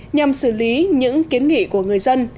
nhằm xử lý những kiến nghị của người dân